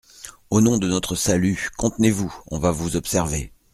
Au nom de notre salut, contenez-vous, on va vous observer.